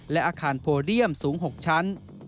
และอาคารโพเดียมสูง๖ชั้น